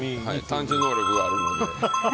探知能力があるので。